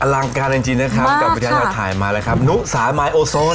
ลังการจริงนะครับกับวิทยาศาสตร์ถ่ายมาเลยครับนุสามายโอโซน